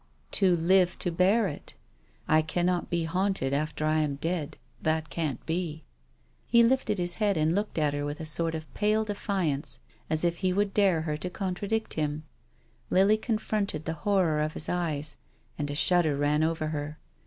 " To live to bear it. I cannot be haunted after I am dead. That can't be." He lifted his head and looked at her with a sort THE DEAD CHILD. 199 of pale defiance, as if he would dare her to con tradict him. Lily confronted the horror of his eyes, and a shudder ran over her.